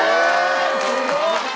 すごっ！